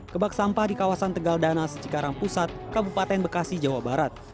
kebak sampah di kawasan tegal danas cikarang pusat kabupaten bekasi jawa barat